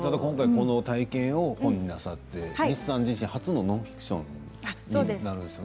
体験を本になさって西さん初のノンフィクションなんですよ。